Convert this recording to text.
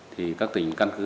thì các tỉnh căn cứ